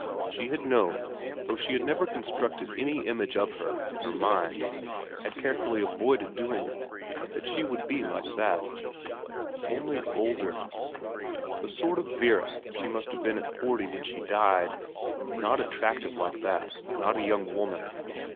She had known, though she had never constructed any image of her in her mind, had xvn VERA 187 carefully avoided doing it, that she would be like that. Only older ; the sort of Vera she must have been at forty when she died, not attractive like that, not a young woman.